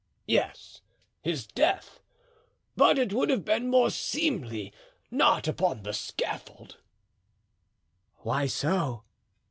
"Yes, his death; but it would have been more seemly not upon the scaffold." "Why so?"